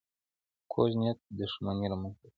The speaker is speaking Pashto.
کوږ نیت دښمني رامنځته کوي